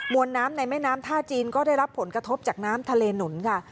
วนน้ำในแม่น้ำท่าจีนก็ได้รับผลกระทบจากน้ำทะเลหนุนค่ะ